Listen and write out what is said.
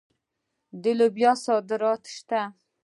د لوبیا صادرات شته.